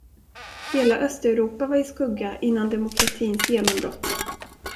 Hela östeuropa var i skugga innan demokratins genombrott.